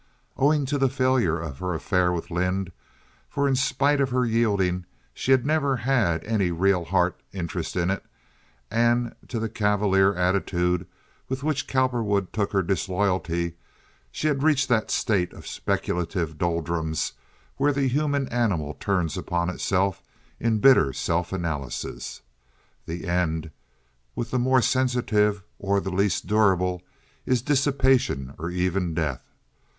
Owing to the failure of her affair with Lynde—for in spite of her yielding she had never had any real heart interest in it—and to the cavalier attitude with which Cowperwood took her disloyalty, she had reached that state of speculative doldrums where the human animal turns upon itself in bitter self analysis; the end with the more sensitive or the less durable is dissipation or even death.